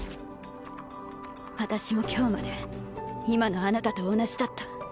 私も今日まで今のあなたと同じだった。